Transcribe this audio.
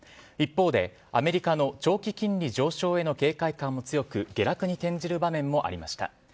一方で、アメリカの長期金利上昇への警戒感も強く下落に転じる場面もありました。